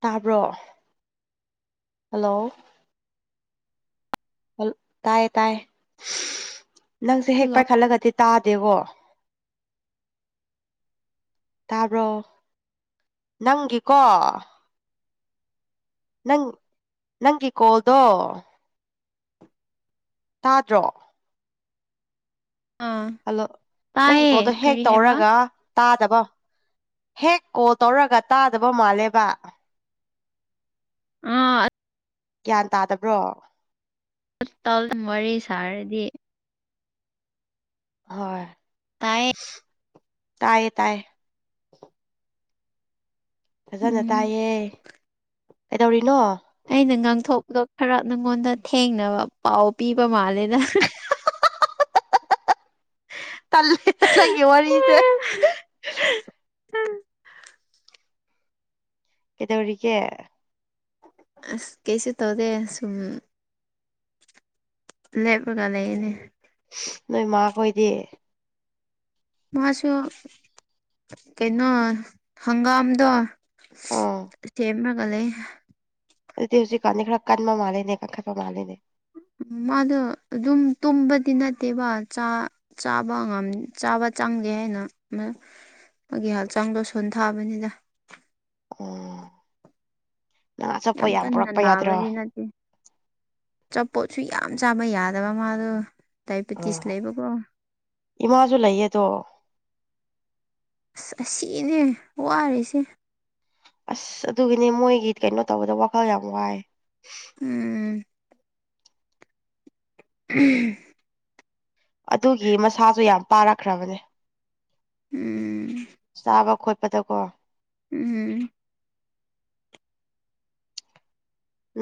ꯇꯥꯕ꯭ꯔꯣ ꯍꯜꯂꯣ ꯇꯥꯏꯌꯦ ꯇꯥꯏ ꯅꯪꯁꯦ ꯍꯦꯛ ꯍꯜꯂꯣ ꯄꯥꯏꯈꯠꯂꯒꯗꯤ ꯇꯥꯗꯦꯕꯣ ꯇꯥꯕ꯭ꯔꯣ ꯅꯪꯒꯤꯀꯣ ꯅꯪ ꯅꯪꯒꯤ ꯀꯣꯜꯗꯣ ꯇꯥꯗ꯭ꯔꯣ ꯑꯥ ꯍꯜꯂꯣ ꯅꯪ ꯇꯥꯏꯌꯦ ꯀꯣꯗꯣ ꯍꯦꯒ ꯀꯔꯤ ꯍꯥꯏꯕ ꯇꯧꯔꯒ ꯇꯥꯗꯕ ꯍꯦꯛ ꯀꯣ ꯇꯧꯔꯒ ꯇꯥꯗꯕ ꯃꯥꯜꯂꯦꯕ ꯑꯥ ꯒ꯭ꯌꯥꯟ ꯇꯥꯗꯕ꯭ꯔꯣ ꯇꯜ ꯋꯥꯔꯤ ꯁꯥꯔꯗꯤ ꯍꯣꯏ ꯇꯥꯏꯌꯦ ꯇꯥꯏꯌꯦ ꯇꯥꯏꯌꯦ [inaudible] ꯐꯖꯅ ꯎꯝ ꯇꯥꯏꯌꯦ ꯀꯩꯗꯧꯔꯤꯅꯣ ꯑꯩꯅ ꯉꯥꯡꯊꯣꯛꯄꯗꯣ ꯈꯔ ꯅꯪꯉꯣꯟꯗ ꯊꯦꯡꯅꯕ ꯄꯥꯎ ꯄꯤꯕ ꯃꯥꯜꯂꯦꯗ ꯇꯜꯂꯦ ꯅꯪꯒꯤ ꯋꯥꯔꯤꯁꯦ [unintelligible] ꯀꯩꯗꯧꯔꯤꯒꯦ ꯑꯁ ꯀꯩꯁꯨ ꯇꯧꯗꯦ ꯁꯨꯝ ꯂꯦꯞꯄꯒ ꯂꯩꯅꯦ ꯅꯣꯏ ꯃꯥꯈꯣꯏꯗꯤ ꯃꯥꯁꯨ ꯀꯩꯅꯣ ꯍꯪꯒꯥꯝꯗꯣ ꯑꯥ ꯁꯦꯝꯔꯒ ꯂꯩ ꯑꯗꯨꯗꯤ ꯍꯧꯖꯤꯛꯀꯥꯟꯅꯤ ꯈꯔ ꯀꯟꯕ ꯃꯥꯜꯂꯤꯅꯦ ꯀꯟꯈꯠꯄ ꯃꯥꯜꯂꯤꯅꯦ ꯎ ꯃꯥꯗꯣ ꯑꯗꯨꯝ ꯇꯨꯝꯕꯗꯤ ꯅꯠꯇꯦꯕ ꯆꯥ ꯆꯥꯕ ꯉꯝ ꯆꯥꯕ ꯆꯪꯗꯦ ꯍꯥꯏꯅ ꯑꯩꯒꯤ ꯍꯛꯆꯥꯡꯗꯣ ꯁꯣꯟ ꯊꯥꯕꯅꯤꯗ ꯑꫭ ꯌꯥꯝ ꯀꯟꯅ ꯌꯥꯗ꯭ꯔꯣ ꯅꯥꯕꯗꯤ ꯅꯠꯇꯦ ꯑꯆꯥꯄꯣꯠꯁꯨ ꯌꯥꯝ ꯆꯥꯕ ꯌꯥꯗꯕ ꯃꯥꯗꯣ ꯗꯥꯏꯕꯤꯦꯇꯤꯁ ꯎꯝ ꯂꯩꯕꯀꯣ ꯏꯃꯥꯁꯨ ꯂꯩꯌꯦꯗꯣ ꯑꯁ ꯑꯁꯤꯅꯦ ꯋꯥꯔꯤꯁꯦ ꯑꯁ ꯑꯗꯨꯒꯤꯅꯤ ꯃꯣꯏꯒꯤ ꯀꯩꯅꯣ ꯇꯧꯕꯗ ꯋꯥꯈꯜ ꯌꯥꯝ ꯋꯥꯏ ꯎꯝ ꯎꯝ ꯑꯗꯨꯒꯤ ꯃꯁꯥꯁꯨ ꯌꯥꯝ ꯄꯥꯔꯛꯈ꯭ꯔꯕꯅꯦ ꯎꯝ ꯆꯥꯕ ꯈꯣꯠꯄ ꯄꯗ ꯀꯣ ꯎꯝ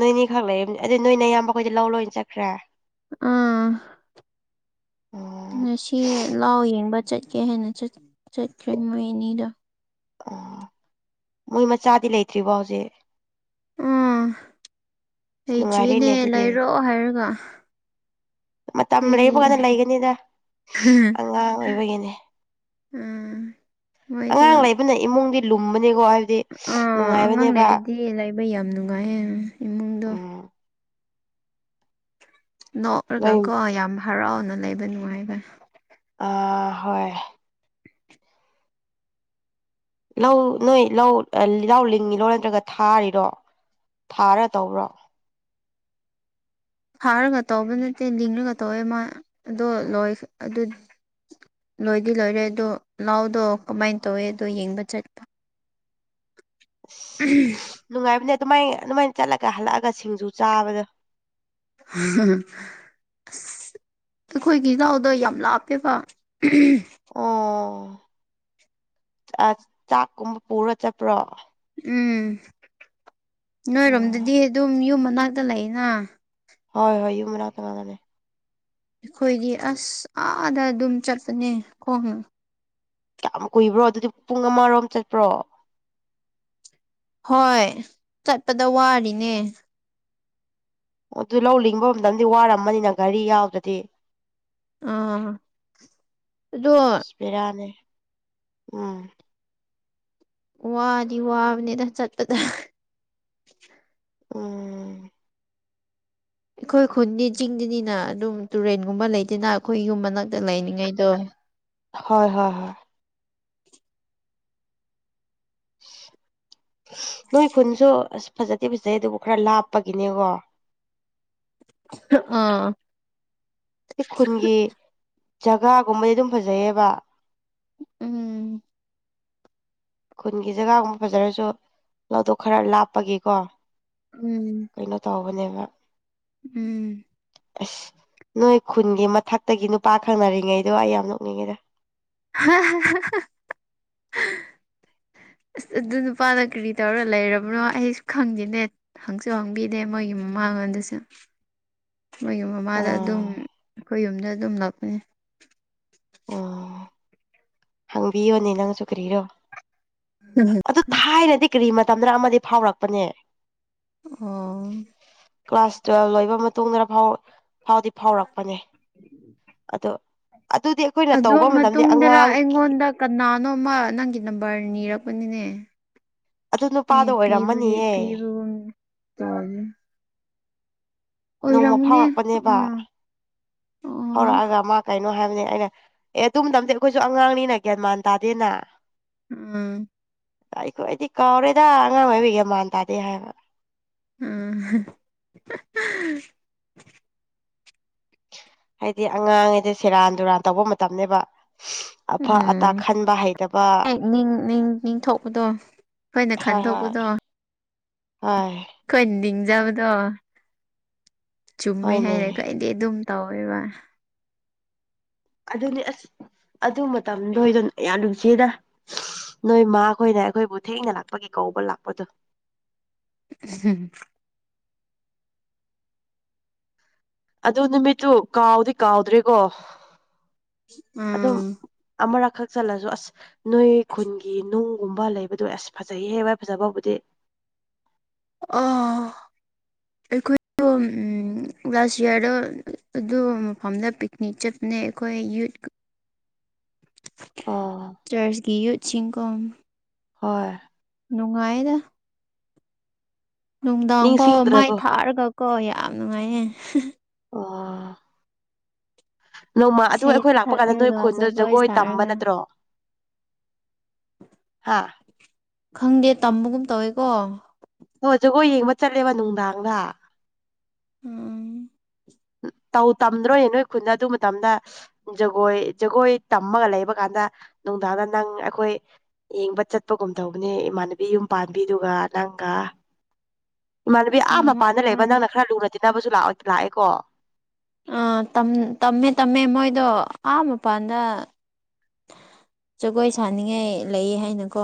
ꯅꯣꯏꯅꯤꯈꯛ ꯂꯩꯔꯝꯅꯦ ꯑꯗꯨꯗꯤ ꯅꯣꯏꯅ ꯑꯌꯥꯝꯕꯈꯣꯏꯗꯤ ꯂꯧ ꯂꯣꯏꯅ ꯆꯠꯈ꯭ꯔꯦ ꯑꯥ ꯎꯝ ꯉꯁꯤ ꯂꯥꯎ ꯌꯦꯡꯕ ꯆꯠꯀꯦ ꯍꯥꯏꯦꯟꯅ ꯆꯠ ꯆꯠꯈ꯭ꯔꯦ ꯃꯣꯏ ꯑꯅꯤꯗꫭ ꯑꯣ ꯃꯣꯏ ꯃꯆꯥꯗꯤ ꯂꯩꯇ꯭ꯔꯤꯔꯤꯕꯣ ꯍꯧꯖꯤꯛ ꯎꯥ ꯑꯁ ꯂꯩꯇ꯭ꯔꯤꯅꯦ ꯅꯨꯡꯉꯥꯏꯔꯦꯅꯦ ꯑꯗꯨꯗꯤ ꯂꯩꯔꯣ ꯍꯥꯏꯔꯒ ꯃꯇꯝ ꯑꯩꯈꯣꯏꯗꯤ ꯂꯩꯕ ꯀꯥꯟꯗ ꯂꯩꯒꯅꯤꯗ ꯑꯉꯥꯡ ꯑꯣꯏꯕꯒꯤꯅꯤ ꯎꯥ ꯃꯣꯏꯁꯨ ꯑꯩꯕꯅ ꯏꯃꯨꯡꯗꯤ ꯂꯨꯝꯕꯅꯦꯀꯣ ꯑꯥ ꯑꯉꯥꯡ ꯂꯩꯔꯗꯤ ꯂꯩꯕ ꯌꯥꯝ ꯅꯨꯡꯉꯥꯏꯌꯦꯦ ꯏꯃꯨꯡꯗꯣ ꯎꯝ ꯅꯣꯛꯔꯒ ꯅꯣꯏ ꯀꯣ ꯌꯥꯝ ꯍꯔꯥꯎꯅ ꯂꯩꯕ ꯅꯨꯡꯉꯥꯏꯕꯅꯤ ꯑ ꯍꯣꯏ ꯂꯧ ꯅꯣꯏ ꯂꯧ ꯂꯧ ꯂꯤꯡꯉꯤꯔꯣ ꯅꯠꯇ꯭ꯔꯒ ꯊꯥꯔꯤꯔꯣ ꯊꯥꯔ ꯇꯧꯕ꯭ꯔꯣ ꯐꯥꯔꯒ ꯇꯧꯕ ꯅꯠꯇꯦ ꯂꯤꯡꯔꯒ ꯇꯧꯋꯦ ꯃꯥ ꯑꯗꯣ ꯂꯣꯏ ꯑꯗꯨ ꯂꯣꯏꯗꯤ ꯂꯣꯏꯔꯦ ꯑꯗꯣ ꯂꯥꯎꯗꯣ ꯀꯃꯥꯏꯅ ꯇꯧꯋꯦ ꯑꯗꯣ ꯌꯦꯡꯕ ꯆꯠꯄ [unintelligible] ꯎꯝ ꯅꯨꯡꯉꯥꯏꯕꯅꯦ ꯑꯗꯨꯃꯥꯏ ꯑꯗꯨꯃꯥꯏꯅ ꯆꯠꯂꯒ ꯍꯜꯂꯛꯑꯒ ꯁꯤꯡꯖꯨ ꯆꯥꯕꯗꯣ ꯎ ꯑꯁ ꯑꯩꯈꯣꯏꯒꯤ ꯏꯅꯥꯎꯗ ꯌꯥꯝ ꯂꯥꯞꯄꯦꯕ ꯑꯣ ꯆꯥꯛꯀꯨꯝꯕ ꯄꯨꯔ ꯆꯠꯄ꯭ꯔꯣ ꯎꯝ ꯎꯝ ꯅꯣꯏꯔꯣꯝꯗꯗꯤ ꯑꯗꯨꯝ ꯌꯨꯝ ꯃꯅꯥꯛꯇ ꯂꯩꯅ ꯍꯣꯏ ꯍꯣꯏ ꯌꯨꯨꯝ ꯃꯔꯥ ꯇꯃꯒꯅꯦ ꯑꯩꯈꯣꯏꯗꯤ ꯑꯁ ꯑꯥꯗ ꯑꯗꯨꯝ ꯆꯠꯄꯅꯦ ꯈꯣꯡ ꯀꯨꯏꯕ꯭ꯔꯣ ꯑꯗꯨꯗꯤ ꯄꯨꯡ ꯑꯃꯔꯣꯝ ꯆꯠꯄ꯭ꯔꯣ ꯍꯣꯏ ꯆꯠꯄꯗ ꯋꯥꯔꯤꯅꯦ ꯑꯣ ꯑꯗꯨ ꯂꯧ ꯂꯤꯡꯕ ꯃꯇꯝꯗꯤ ꯋꯥꯔꯝꯃꯅꯤꯅ ꯘꯔꯤ ꯌꯥꯎꯗꯗꯤ ꯑ ꯑꯗꯨꯣ ꯄꯔꯅꯦ ꯎꯝ ꯋꯥꯗꯤ ꯋꯥꯕꯅꯤꯅ ꯆꯠꯄꯗ ꯎꯝ ꯑꯩꯈꯣꯏ ꯈꯨꯟꯗꯤ ꯆꯤꯡꯗꯅꯤꯅ ꯑꯗꯨꯝ ꯇꯨꯔꯦꯟꯒꯨꯝꯕ ꯂꯩꯗꯅ ꯑꯩꯈꯣꯏ ꯌꯨꯝ ꯃꯅꯥꯛꯇ ꯂꯩꯅꯤꯡꯉꯩꯗꯣ ꯍꯣꯏ ꯍꯣꯏ ꯍꯣꯏ ꯅꯣꯏ ꯈꯨꯟꯁꯨ ꯑꯁ ꯐꯖꯗꯦ ꯐꯖꯩ ꯑꯗꯨꯕꯨ ꯈꯔ ꯂꯥꯞꯄꯒꯤꯅꯦꯀꯣ ꯑ ꯁꯤ ꯈꯨꯟꯒꯤ ꯖꯒꯥꯒꯨꯝꯕꯗꯤ ꯑꯗꯨꯝ ꯐꯖꯩꯌꯦꯕ ꯎꯝ ꯈꯨꯟꯒꯤ ꯖꯒꯥꯒꯨꯝꯕ ꯐꯖꯔꯁꯨ ꯂꯧꯊꯣꯛ ꯈꯔ ꯂꯥꯞꯄꯒꯤꯀꯣ ꯎꯝ ꯀꯩꯅꯣ ꯇꯧꯕꯅꯦꯕ ꯎꯝ ꯑꯁ ꯅꯣꯏ ꯈꯨꯟꯒꯤ ꯃꯊꯛꯇꯒꯤ ꯅꯨꯄꯥ ꯈꯪꯅꯔꯤꯉꯩꯗꯣ ꯑꯩ ꯌꯥꯝ ꯅꯣꯛꯅꯤꯡꯉꯤꯗ [unintelligible] [unintelligible] ꯑꯁ ꯑꯗꯨ ꯅꯨꯄꯥꯅ ꯀꯔꯤ ꯇꯧꯔ ꯂꯩꯔꯕꯅꯣ ꯑꯩꯁꯨ ꯈꯪꯗꯦꯅꯦ ꯍꯪꯁꯨ ꯍꯥꯡꯕꯤꯗꯦ ꯃꯣꯏꯒꯤ ꯃꯃꯥꯡꯉꯣꯟꯗꯁꯨ ꯃꯣꯏꯒꯤ ꯃꯃꯥꯗ ꯑꯗꯨꯝ ꯑꯥ ꯑꯩꯈꯣꯏ ꯌꯨꯝꯗ ꯑꯗꯨꯝ ꯂꯥꯛꯄꯅꯤ ꯎꯝ ꯍꯪꯕꯤꯌꯣꯅꯦ ꯅꯪꯁꯨꯨ ꯀ꯭ꯔꯤꯔꯣ ꯎꯝꯝ ꯑꯗꯨ ꯊꯥꯏꯅꯗꯤ ꯀꯔꯤ ꯃꯇꯝꯗꯨꯅ ꯑꯃꯗꯤ ꯐꯥꯎꯔꯛꯄꯅꯦ ꯑ ꯀ꯭ꯂꯥꯁ ꯇꯨꯋꯦꯜꯕ ꯂꯣꯏꯕ ꯃꯇꯨꯡꯗ ꯐꯥꯎ ꯐꯥꯎꯗꯤ ꯐꯥꯎꯔꯛꯄꯅꯦ ꯑꯗꯣ ꯑꯗꯨꯗꯤ ꯑꯩꯈꯣꯏꯅ ꯑꯗꯨ ꯇꯧꯕ ꯃꯇꯝꯗꯤ ꯃꯇꯨꯡꯗꯔ ꯑꯉꯥꯡ ꯑꯩꯉꯣꯟꯗ ꯀꯅꯥꯅꯣꯃ ꯅꯪꯒꯤ ꯅꯝꯕꯔ ꯅꯤꯔꯛꯄꯅꯤꯅꯦ ꯑꯗꯨ ꯑꯩ ꯅꯨꯄꯥꯗꯣ ꯄꯤꯕꯒꯤ ꯑꯣꯏꯔꯝꯃꯅꯤꯌꯦ ꯄꯤꯕꯒꯨꯝ ꯅꯣꯡꯃ ꯑꯣꯏꯔꯝꯒꯅꯤ ꯐꯥꯎꯔꯛꯄꯅꯦꯕ ꯑꯥ ꯑꯣ ꯐꯥꯎꯔꯛꯑꯒ ꯃꯥ ꯀꯩꯅꯣ ꯍꯥꯏꯕꯅꯦ ꯑꯩꯅ ꯑꯦ ꯇꯨꯝꯝ ꯇꯝꯗꯤ ꯑꯩꯈꯣꯏꯁꯨ ꯑꯉꯥꯡꯅꯤꯅ ꯒ꯭ꯌꯥꯟꯃꯥꯟ ꯇꯥꯗꯦꯅ ꯎꯝ ꯑꯩꯈꯣꯏꯗꯤ ꯀꯥꯎꯔꯦꯗ ꯑꯉꯥꯡ ꯑꯣꯏꯕꯤꯒꯤ ꯃꯥꯟ ꯇꯥꯗꯦ ꯍꯥꯏꯕ ꯎꯝ ꯍꯥꯏꯗꯤ ꯑꯉꯥꯡꯉꯩꯗꯤ ꯁꯦꯔꯥꯟ ꯨꯔꯥꯟ ꯇꯧꯕ ꯃꯇꯝꯅꯦꯕ ꯑꯐ ꯑꯇꯥ ꯎꯝ ꯈꯟꯕ ꯍꯩꯇꯕ ꯍ ꯅꯤꯡꯊꯄꯗꯣ ꯑꯩꯈꯣꯏꯅ ꯈꯟꯗꯣꯛꯄꯗꯣ ꯍ ꯑꯩꯈꯣꯏ ꯅꯤꯡꯖꯕꯗꯣ ꯆꯨꯝꯃꯦ ꯍꯣꯏꯅꯦ ꯍꯥꯏꯔꯦ ꯀꯣꯏ ꯗꯤ ꯑꯗꯨꯝ ꯇꯧꯋꯦꯕ ꯑꯗꯨꯅꯤ ꯑꯁ ꯑꯗꯨ ꯃꯇꯝꯗꯣꯗꯣꯏꯅ ꯌꯥꯝ ꯅꯨꯡꯁꯤꯗ ꯅꯣꯏ ꯃꯥꯈꯣꯏꯅ ꯑꯩꯈꯣꯏꯕꯨ ꯊꯦꯡꯅ ꯂꯥꯛꯄꯒꯤ ꯀꯧꯕ ꯂꯥꯛꯄꯗꯣ ꯎꯝ ꯑꯗꯨ ꯅꯨꯃꯤꯠꯇꯨ ꯀꯥꯎꯗꯤ ꯀꯥꯎꯗ꯭ꯔꯦꯀꯣ ꯎꯝ ꯑꯃꯔꯛꯈꯛ ꯆꯠꯂꯁꯨ ꯑꯁ ꯅꯣꯏ ꯈꯨꯟꯒꯤ ꯅꯨꯡꯒꯨꯝꯕ ꯂꯩꯕꯗꯨꯣ ꯑꯁ ꯐꯖꯩꯍꯦ ꯚꯏ ꯐꯖ ꯐꯕꯨꯗꯤ ꯑ ꯑꯩꯈꯣꯏ ꯎ ꯂꯥꯁ ꯌꯌꯥꯔꯗ ꯑꯗꯨ ꯃꯐꯝꯗ ꯄꯤꯛꯅꯤꯛ ꯆꯠꯄꯅꯦ ꯑꯩꯈꯣꯏ ꯌꯨꯠ [inaudible] ꯑꯣ ꯆꯔꯆꯀꯤ ꯌꯨꯠ ꯆꯤꯡꯈꯣꯝ ꯍꯣꯏ ꯅꯨꯡꯉꯥꯏꯗ ꯅꯨꯡꯗꯥꯡ ꯐꯥꯎꯕ ꯃꯥꯏ ꯅꯤꯡꯁꯤꯡꯗ꯭ꯔꯕꯣ ꯊꯥꯛꯔꯒꯀꯣ ꯌꯥꯝ ꯅꯨꯡꯉꯥꯏꯌꯦ ꯑꯣ ꯅꯣꯡꯃ ꯑꯗꯨ ꯏꯁꯩ ꯑꯩꯈꯣꯏ ꯂꯥꯛꯄ ꯀꯥꯟꯗ ꯅꯣꯏ ꯊꯛꯔꯒ ꯈꯨꯟꯗ ꯖꯒꯣꯏ ꯇꯝꯕ ꯁꯥꯔꯒ ꯅꯠꯇ꯭ꯔꯣ ꯍꯥꯥ ꯈꯪꯗꯦ ꯇꯝꯕꯒꯨꯝ ꯇꯧꯋꯦꯀꯣ ꯍ ꯖꯒꯣꯏ ꯌꯦꯡꯕ ꯆꯠꯂꯦꯕ ꯅꯨꯡꯗꯥꯡꯗ ꯎꯝ ꯎ ꯇꯧ ꯇꯝꯗ꯭ꯔꯣꯏ ꯅꯣꯏ ꯈꯨꯟꯗ ꯑꯗꯨ ꯃꯇꯝꯗ ꯖꯒꯣꯏ ꯖꯒꯣꯏ ꯇꯝꯃꯒ ꯂꯩꯕ ꯀꯥꯟꯗ ꯅꯨꯡꯗꯥꯡꯗ ꯅꯪ ꯑꯩꯈꯣꯏ ꯌꯦꯡꯕ ꯆꯠꯄꯒꯨꯝ ꯇꯧꯕꯅꯦ ꯏꯃꯥꯟꯅꯕꯤ ꯌꯨꯝ ꯄꯥꯟꯕꯤꯗꯨꯒ ꯅꯪꯒ ꯏꯃꯥꯟꯅꯕꯤ ꯑꯥ ꯃꯥꯅꯦ ꯃꯄꯥꯟꯗ ꯂꯩꯕ ꯃꯥꯅꯦ ꯅꯪꯅ ꯈꯔ ꯂꯨꯅ ꯇꯤꯟꯅꯕꯁꯨꯑꯣ ꯂꯥꯛꯑꯦꯀꯣ ꯑ ꯇꯝꯃꯦ ꯇꯝꯃꯦ ꯃꯣꯏꯗꯣ ꯑꯥ ꯃꯄꯥꯟꯗ ꯖꯒꯣꯏ ꯁꯥꯅꯤꯡꯉꯥꯏ ꯂꯩ ꯍꯥꯏꯅꯀꯣ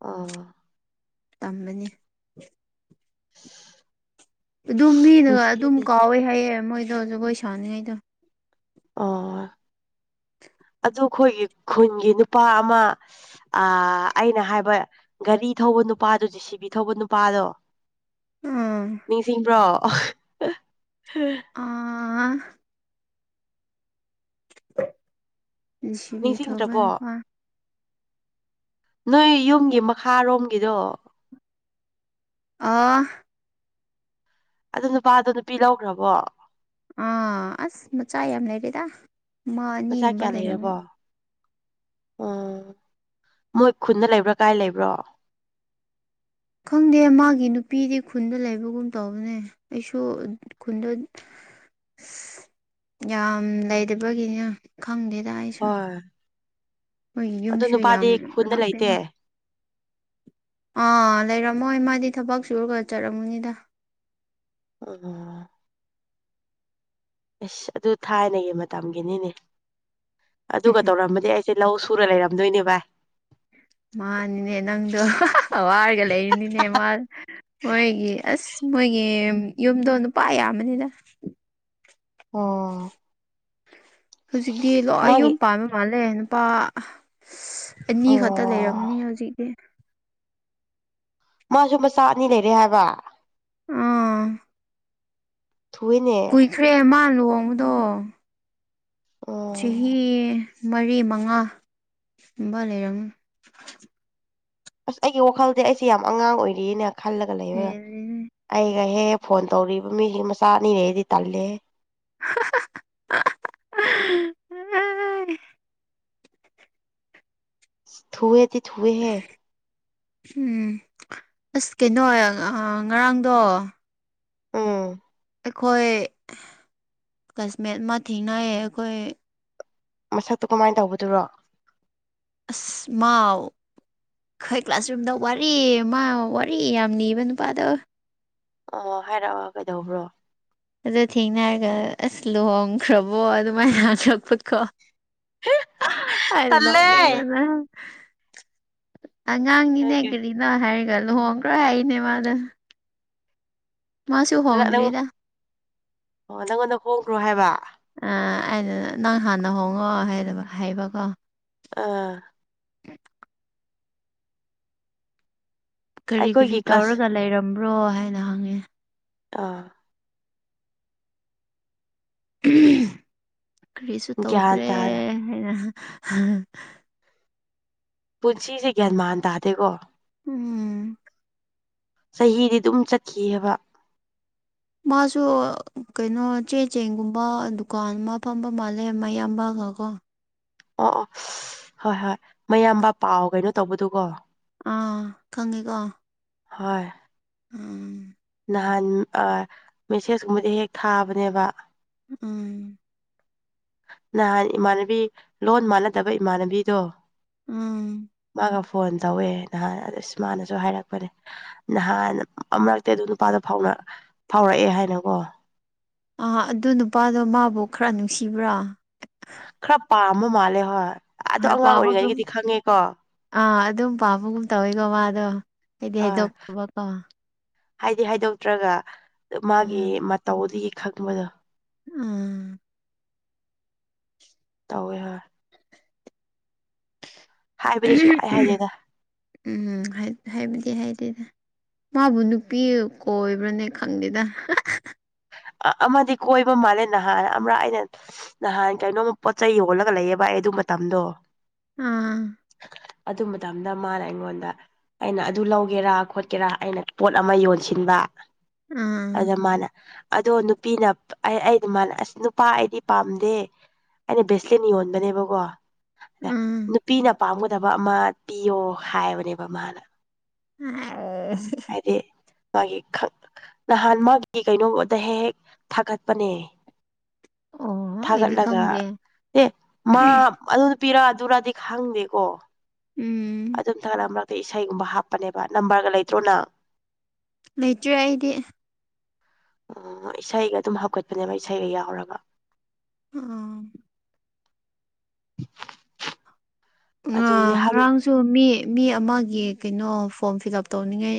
ꯑꯣ ꯇꯝꯝꯕꯅꯤ ꯑꯗꯨꯝ ꯃꯤꯅꯒ ꯑꯗꯨꯝ ꯅꯨꯡꯁꯤꯌꯦꯅꯦ ꯀꯥꯎꯋꯦ ꯍꯥꯏꯌꯦ ꯃꯣꯏꯗꯣ ꯖꯒꯣꯏ ꯁꯥꯅꯤꯡꯉꯩꯗꯣ ꯑꯣ ꯑꯗꯨ ꯑꯩꯈꯣꯏꯒꯤ ꯈꯨꯟꯒꯤ ꯅꯨꯄꯥ ꯑꯃ ꯑ ꯑꯩꯅ ꯍꯥꯏꯕ ꯒꯥꯔꯤ ꯊꯧꯕ ꯅꯨꯄꯥꯗꯣ ꯖꯤꯦ ꯁꯤ ꯕꯤ ꯊꯧꯕ ꯅꯨꯄꯥꯗꯣ ꯎꯝ ꯅꯤꯡꯁꯤꯡꯕ꯭ꯔꯣ ꯑ ꯑ ꯅꯤꯡꯁꯤꯡꯗ꯭ꯔꯕꯣ ꯅꯣꯏ ꯌꯨꯝꯒꯤ ꯃꯈꯥꯔꯣꯝꯒꯤꯗꯣ ꯑ ꯑ ꯅꯨꯄꯥꯗꯣ ꯅꯨꯄꯤ ꯂꯧꯈ꯭ꯔꯕꯣ ꯑꯥ ꯑꯁ ꯃꯆꯥ ꯌꯥꯝ ꯂꯩꯔꯦꯗ ꯑꯃ ꯃꯆꯥ ꯑꯅꯤꯒꯨꯝꯕ ꯂꯩꯔꯝꯃꯨ ꯑꯣ ꯃꯣꯏ ꯈꯨꯗ ꯂꯩꯕ꯭ꯔꯥ ꯀꯥꯏ ꯂꯩꯕ꯭ꯔꯣ ꯈꯪꯗꯦ ꯃꯥꯒꯤ ꯅꯨꯄꯤꯗꯤ ꯈꯨꯟꯗ ꯂꯩꯕꯒꯨꯝ ꯇꯧꯕꯅꯦ ꯑꯩꯁꯨ ꯈꯨꯟꯗ [inaudible] ꯌꯥꯝ ꯂꯩꯇꯕꯒꯤꯅ ꯈꯪꯗꯦꯗ ꯑꯩꯁꯨ ꯍꯣꯏ ꯃꯣꯏꯒꯤ ꯑꯗꯨ ꯌꯨꯝꯁꯨ ꯌꯥꯝ ꯅꯨꯄꯥꯗꯤ ꯈꯨꯟꯗ ꯂꯩꯇꯦ ꯂꯥꯞꯄꯦꯅ ꯑꯥ ꯂꯩꯔꯝꯃꯣꯏ ꯃꯥꯗꯤ ꯊꯕꯛ ꯁꯨꯔꯒ ꯆꯠꯔꯝꯒꯅꯤꯗ ꯑꯣ ꯏꯁ ꯑꯗꯨ ꯊꯥꯏꯅꯒꯤ ꯃꯇꯝꯒꯤꯅꯤꯅꯦ ꯑꯗꯨꯒ ꯇꯧꯔꯃꯗꯤ ꯑꯩ ꯁꯤ ꯂꯧ ꯁꯨꯔ ꯂꯩꯔꯝꯗꯣꯏꯅꯦ ꯚꯏ ꯃꯥꯅꯤꯅꯦ ꯅꯪꯗꯣ ꯋꯥꯔꯒ ꯂꯩꯔꯤꯅꯤꯅꯦ ꯃꯥ ꯃꯣꯏꯒꯤ ꯑꯁ ꯃꯣꯏꯒꯤ ꯌꯨꯝꯗꯣ ꯅꯨꯄꯥ ꯌꯥꯝꯕꯅꯤꯗ ꯑꯣ ꯍꯨꯖꯤꯛꯗꯤ ꯂꯣꯏ ꯃꯥꯒꯤ ꯌꯨꯝ ꯄꯥꯟꯕ ꯃꯥꯜꯂꯦ ꯅꯨꯄꯥ ꯑꯅꯤ ꯑꯣ ꯈꯠꯇ ꯂꯩꯔꯝꯒꯅꯤ ꯍꯧꯖꯤꯛꯇꯤ ꯃꯥꯁꯨ ꯃꯆꯥ ꯑꯅꯤ ꯂꯩꯔꯦ ꯍꯥꯏꯕ ꯑꯥ ꯎꯏꯅꯦ [unintelligible] ꯃꯥ ꯂꯨꯍꯣꯡꯕꯗꯣ ꯎꯝ ꯆꯍꯤ ꯃꯔꯤ ꯃꯉꯥꯒꯨꯝꯕ ꯂꯩꯔꯝꯅꯤ ꯑꯁ ꯑꯩꯒꯤ ꯋꯥꯈꯜꯗꯤ ꯑꯩꯁꯦ ꯌꯥꯝ ꯑꯉꯥꯡ ꯑꯣꯏꯔꯤꯌꯦꯅ ꯈꯜꯂꯒ ꯂꯩꯕ ꯍꯦꯜꯂꯦꯅꯦ ꯑꯩꯒ ꯍꯦꯛꯍꯦꯛ ꯐꯣꯟ ꯇꯧꯔꯤꯕ ꯃꯤꯁꯤ ꯃꯆꯥ ꯑꯅꯤ ꯂꯩꯔꯗꯤ ꯇꯜꯂꯦꯍꯦ ꯊꯨꯋꯦꯗꯤ ꯊꯨꯋꯦꯍꯦ ꯎꯝ ꯑꯁ ꯀꯩꯅꯣ ꯉꯔꯥꯡꯗꯣ ꯎꯝ ꯑꯩꯈꯣꯏ ꯀ꯭ꯂꯥꯁꯃꯦꯠ ꯑꯃ ꯊꯦꯡꯅꯌꯦ ꯑꯩꯈꯣꯏ ꯃꯁꯛꯇꯨ ꯀꯃꯥꯏꯅ ꯇꯧꯕꯗꯨꯔꯣ ꯑꯁ ꯃꯥꯎ ꯈꯣꯏ ꯀ꯭ꯂꯥꯁꯔꯨꯝꯗ ꯋꯥꯔꯤ ꯃ ꯋꯥꯔꯤ ꯌꯥꯝ ꯅꯤꯕ ꯅꯨꯄꯥꯗꯣ ꯑꯣ ꯍꯥꯏꯔꯛꯑꯣ ꯀꯩꯗꯧꯕ꯭ꯔꯣ ꯑꯗꯣ ꯊꯦꯡꯅꯔꯒ ꯑꯁ ꯂꯨꯍꯣꯡꯈ꯭ꯔꯕꯣ ꯑꯗꯨꯃꯥꯏꯅ ꯍꯡꯔꯛꯄꯀꯣ ꯑꯩꯅ ꯇꯜꯂꯦ ꯅꯣꯛꯅꯤꯡꯕꯅ ꯑꯉꯥꯡꯅꯤꯅꯦ ꯍꯥꯏꯒꯦ ꯀꯔꯤꯅꯣ ꯍꯥꯏꯔꯒ ꯂꯨꯍꯣꯡꯈ꯭ꯔꯣ ꯍꯥꯏꯅꯦ ꯃꯥꯗ ꯃꯥꯁꯨ ꯅꯪꯉꯣꯟ ꯍꯣꯡꯗ꯭ꯔꯤꯗ ꯑꯣ ꯅꯪꯉꯣꯟꯗ ꯍꯣꯡꯈ꯭ꯔꯣ ꯍꯥꯏꯕ ꯑ ꯑꯩꯅ ꯅꯪ ꯍꯥꯟꯅ ꯍꯣꯡꯉꯣ ꯍꯥꯏꯔꯒ ꯍꯥꯏꯕꯀꯣ ꯑꯥ [unintelligible] ꯀꯔꯤ ꯀꯔꯤ ꯑꯩꯈꯣꯏꯒꯤ ꯀ꯭ꯂꯥꯁ ꯇꯧꯔꯒ ꯂꯩꯔꯝꯕ꯭ꯔꯣ ꯍꯥꯏꯅ ꯍꯪꯉꯦ ꯑꯥ ꯀꯔꯤꯁꯨ ꯒ꯭ꯌꯥꯟ ꯇꯧꯗ꯭ꯔꯦ ꯇꯥꯗꯦ ꯍꯥꯏꯅ ꯄꯨꯟꯁꯤꯁꯦ ꯒ꯭ꯌꯥꯟ ꯃꯥꯟ ꯇꯥꯗꯦꯀꯣ ꯎꯝ ꯆꯍꯤꯗꯤ ꯗꯨꯝ ꯆꯠꯈꯤꯑꯕ ꯃꯥꯁꯨ ꯀꯩꯅꯣ ꯆꯦ ꯆꯦꯡꯒꯨꯝꯕ ꯗꯨꯀꯥꯟ ꯑꯃ ꯐꯝꯕ ꯃꯥꯜꯂꯦ ꯃꯌꯥꯝꯕꯒ ꯀꯣ ꯑꯣ ꯑꯣ ꯍꯣꯏ ꯍꯣꯏ ꯃꯌꯥꯝꯕ ꯄꯥꯎ ꯀꯩꯅꯣ ꯇꯧꯕꯗꯨꯒꯣ ꯑꯥ ꯈꯪꯉꯦꯀꯣ ꯍꯣꯏ ꯑꯝ ꯅꯍꯥꯟ ꯃꯦꯁꯦꯁꯀꯨꯝꯕꯗꯤ ꯍꯦꯛ ꯊꯥꯕꯅꯦꯕ ꯎꯝ ꯅꯍꯥꯟ ꯏꯃꯥꯟꯅꯕꯤ ꯂꯣꯟ ꯃꯥꯟꯅꯗꯕ ꯏꯃꯥꯟꯅꯕꯤꯗꯣ ꯎꯝ ꯃꯥꯒ ꯐꯣꯟ ꯇꯧꯋꯦ ꯅꯍꯥꯟ ꯏꯁ ꯃꯥꯅꯁꯨ ꯍꯥꯏꯔꯛꯄꯅꯦ ꯅꯍꯥꯟ ꯑꯃꯨꯔꯛꯇꯦ ꯑꯗꯨ ꯅꯨꯄꯥꯗ ꯐꯥꯎ ꯐꯥꯎꯔꯛꯑꯦ ꯍꯥꯏꯅꯀꯣ ꯑ ꯑꯗꯨ ꯅꯨꯄꯥꯗꯣ ꯃꯥꯕꯨ ꯈꯔ ꯅꯨꯡꯁꯤꯕ꯭ꯔꯥ ꯈꯔ ꯄꯥꯝꯣ ꯃꯥꯂꯦ ꯍ ꯄꯕꯒ ꯑꯥ ꯑꯗꯨꯝ ꯄꯥꯕꯒꯨꯝ ꯇꯧꯋꯤꯀꯣ ꯃꯥ ꯑꯗꯣ ꯍꯥꯏꯗꯤ ꯍꯣꯏ ꯍꯩꯗꯣꯛꯇꯕꯀꯣ ꯍꯥꯏꯗꯤ ꯍꯥꯏꯗꯣꯛꯇ꯭ꯔꯒ ꯃꯥꯒꯤ ꯎꯝ ꯃꯇꯧꯗꯨꯒꯤ ꯈꯪꯕꯗꯣ ꯑꯥ ꯇꯧꯋꯦ ꯍꯣꯏ ꯍꯥꯏꯕꯗꯤ ꯁꯨꯡꯍꯥꯏ ꯍꯥꯏꯗꯦꯗ ꯎꯝ ꯍꯥꯏ ꯍꯥꯏꯕꯗꯤ ꯍꯥꯏꯗꯤꯦꯗ ꯃꯥꯕꯨ ꯅꯨꯄꯤ ꯀꯣꯏꯕ꯭ꯔꯅꯦ ꯈꯪꯗꯦꯗ ꯑꯃꯗꯤ ꯀꯣꯏꯕ ꯃꯥꯜꯂꯦ ꯅꯍꯥꯟ ꯑꯃ ꯑꯩꯅ ꯅꯍꯥꯟ ꯀꯩꯅꯣꯝꯛ ꯄꯣꯠ ꯆꯩꯩ ꯌꯣꯜꯂꯒ ꯂꯩꯌꯦꯕ ꯑꯩ ꯑꯗꯨ ꯃꯇꯝꯗꯣ ꯑꯥ ꯑꯗꯨ ꯃꯇꯝꯗ ꯃꯥꯅ ꯑꯩꯉꯣꯟꯗ ꯑꯩꯅ ꯑꯗꯨ ꯂꯧꯒꯦꯔꯥ ꯈꯣꯠꯀꯦꯔꯥ ꯑꯩꯅ ꯄꯣꯠ ꯑꯃ ꯌꯣꯟꯁꯤꯟꯕ ꯑꯥ ꯑꯗ ꯃꯥꯅ ꯑꯗꯣ ꯅꯨꯄꯤꯅ ꯑꯩ ꯑꯩ ꯑꯗꯨꯂ ꯑꯁ ꯅꯨꯄꯥ ꯑꯩꯗꯤ ꯄꯥꯝꯗꯦ ꯑꯩꯅ ꯕ꯭ꯔꯦꯁꯂꯦꯟ ꯌꯣꯟꯕꯅꯦꯕꯀꯣ ꯎꯝ ꯄꯤꯅ ꯄꯥꯝꯒꯗꯕ ꯑꯃ ꯄꯤꯌꯣ ꯍꯥꯏꯕꯅꯦꯕ ꯃꯥꯅ ꯑ ꯍꯥꯏꯗꯤ ꯃꯥꯒꯤ ꯅꯍꯥꯟ ꯃꯥꯒꯤ ꯀꯩꯅꯣꯗ ꯍꯦꯛ ꯍꯦꯛ ꯊꯥꯒꯠꯄꯅꯦ ꯑꯣ ꯑꯩꯗꯤ ꯊꯥꯒꯠꯂꯒ ꯈꯪꯗꯦ ꯑꯦ ꯃꯥ ꯑꯗꯨ ꯄꯤꯔꯛ ꯑꯗꯨꯔꯗꯤ ꯈꯪꯗꯦꯀꯣ ꯎꯝ ꯑꯗꯨꯝ ꯊꯝꯂꯝ ꯑꯗꯩ ꯏꯁꯩꯒꯨꯝꯕ ꯍꯥꯞꯄꯅꯦꯕ ꯅꯝꯕꯔꯒ ꯂꯩꯇ꯭ꯔꯣꯅ ꯂꯩꯇ꯭ꯔꯦ ꯑꯩꯗꯤ ꯑꯣ ꯏꯁꯩꯒ ꯑꯗꯨꯝ ꯍꯧꯒꯠꯄꯅꯦꯕ ꯏꯁꯩꯒ ꯌꯥꯎꯔꯒ ꯎꯝ ꯑꯗꯨꯗꯤ ꯍꯪ ꯉꯔꯥꯡꯁꯨ ꯃꯤ ꯃꯤ ꯑꯃꯒꯤ ꯀꯩꯅꯣ ꯐꯣꯔꯝ ꯐꯤꯜ ꯑꯞ ꯇꯧꯅꯤꯡꯉꯥꯏ